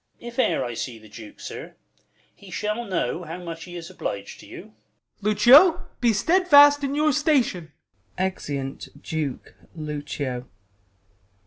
If e'er I see the Duke, sir, he shall know How much he is oblig'd to you. Ben. Lucio, be stedfast in your station ! [Exeunt Duke, Lucio.